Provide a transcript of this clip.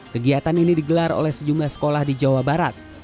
kegiatan ini digelar oleh sejumlah sekolah di jawa barat